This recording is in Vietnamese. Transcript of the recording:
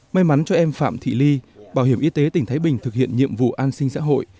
may mắn cho em phạm thị ly bảo hiểm y tế tỉnh thái bình thực hiện nhiệm vụ an sinh xã hội